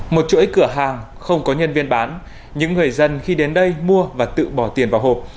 một chuỗi cửa hàng không có nhân viên bán những người dân khi đến đây mua và tự bỏ tiền vào hộp